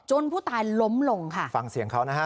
ผู้ตายล้มลงค่ะฟังเสียงเขานะฮะ